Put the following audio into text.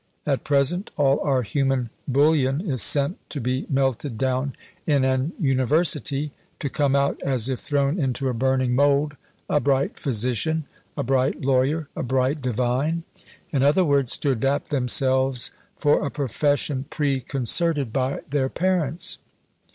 At present all our human bullion is sent to be melted down in an university, to come out, as if thrown into a burning mould, a bright physician, a bright lawyer, a bright divine in other words, to adapt themselves for a profession preconcerted by their parents.